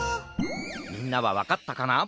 みんなはわかったかな？